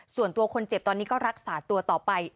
ส่วนตัวคนเจ็บตอนนี้ก็รักษาตัวต่อไป